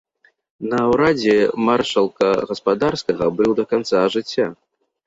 На ўрадзе маршалка гаспадарскага быў да канца жыцця.